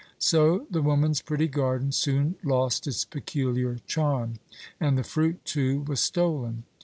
So the woman's pretty garden soon lost its peculiar charm; and the fruit, too, was stolen.